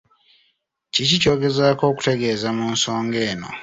Kiki ky’ogezaako okutegeeza mu nsonga eno?